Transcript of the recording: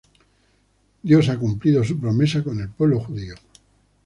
Dios ha cumplido su promesa con el pueblo judío".